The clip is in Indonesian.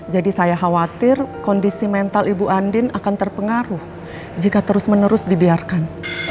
jadi saya khawatir kondisi mental ibu andin akan terpengaruh jika terus menerus dibiarkan